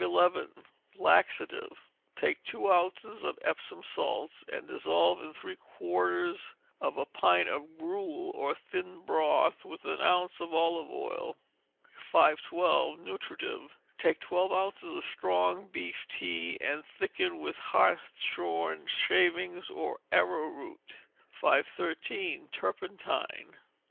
Laxative. Take two ounces of Epsom salts, and dissolve in three quarters of a pint of gruel, or thin broth, with an ounce of olive oil. 512. Nutritive. Take twelve ounces of strong beef tea, and thicken with hartshorn shavings or arrowroot. 513. Turpentine.